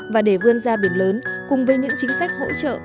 và để vươn ra biển lớn cùng với những chính sách hỗ trợ